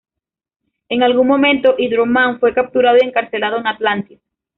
En algún momento, Hydro-Man fue capturado y encarcelado en Atlantis.